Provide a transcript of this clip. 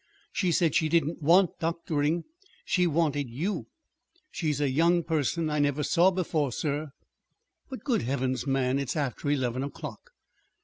She said she didn't want doctoring. She wanted you. She's a young person I never saw before, sir." "But, good Heavens, man, it's after eleven o'clock!"